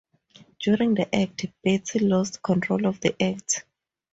During the act, Beatty lost control of the act.